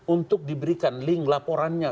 untuk diberikan link laporannya